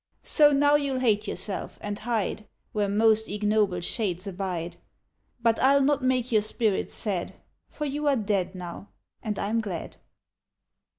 So now you'll hate yourself, and hide Where most ignoble shades abide ; But I'll not make your spirit sad. For you are dead now — and Pm glad.